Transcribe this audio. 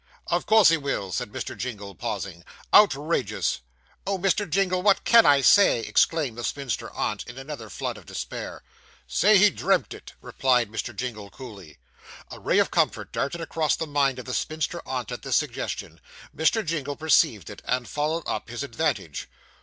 'Of course he will,' said Mr. Jingle pausing 'outrageous.' Oh, Mr. Jingle, what can I say!' exclaimed the spinster aunt, in another flood of despair. 'Say he dreamt it,' replied Mr. Jingle coolly. A ray of comfort darted across the mind of the spinster aunt at this suggestion. Mr. Jingle perceived it, and followed up his advantage.